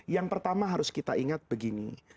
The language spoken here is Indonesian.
yang pertama harus kita ingat begini